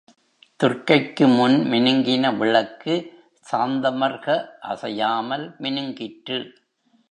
துர்க்கைக்கு முன் மினுங்கின விளக்கு சாந்தமர்க அசையாமல் மினுங்கிற்று.